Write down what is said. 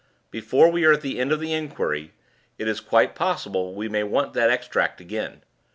"Before we are at the end of the inquiry, it is quite possible we may want that extract again.